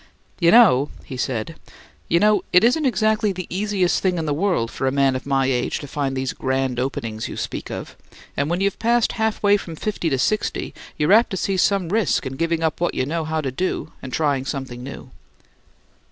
"You know," he said; "you know it isn't exactly the easiest thing in the world for a man of my age to find these grand openings you speak of. And when you've passed half way from fifty to sixty you're apt to see some risk in giving up what you know how to do and trying something new."